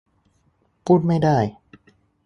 พูดไม่ได้